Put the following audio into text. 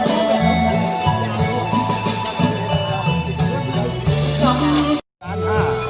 สวัสดีทุกคน